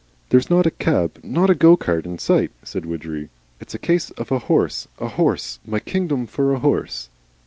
"There's not a cab, not a go cart, in sight," said Widgery. "It's a case of a horse, a horse, my kingdom for a horse."